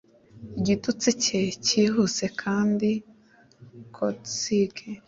Igitutsi cye cyihuse kandi caustic